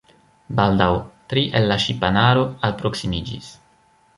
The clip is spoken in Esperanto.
Baldaŭ tri el la ŝipanaro alproksimiĝis.